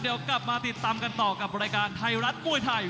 เดี๋ยวกลับมาติดตามกันต่อกับรายการไทยรัฐมวยไทย